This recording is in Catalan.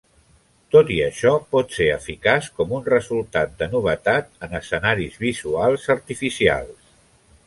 Tot i això, pot ser eficaç com un resultat de novetat en escenaris visuals artificials.